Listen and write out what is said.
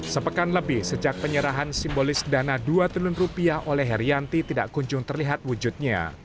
sepekan lebih sejak penyerahan simbolis dana dua triliun rupiah oleh herianti tidak kunjung terlihat wujudnya